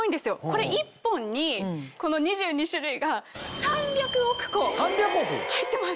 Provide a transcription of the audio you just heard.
これ１本にこの２２種類が３００億個入ってます。